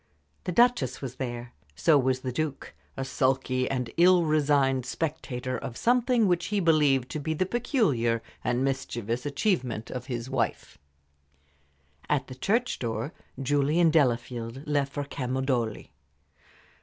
The Duchess was there. So was the Duke a sulky and ill resigned spectator of something which he believed to be the peculiar and mischievous achievement of his wife. At the church door Julie and Delafield left for Camaldoli.